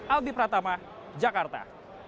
albi pratama jakarta